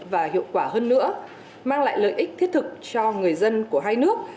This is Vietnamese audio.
và hiệu quả hơn nữa mang lại lợi ích thiết thực cho người dân của hai nước